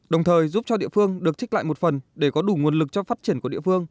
đồng thời giúp cho địa phương được trích lại một phần để có đủ nguồn lực cho phát triển của địa phương